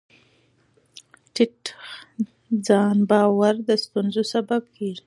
ټیټ ځان باور د ستونزو سبب کېږي.